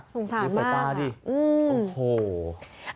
สงสารมากใจป่าซิอืมโธ่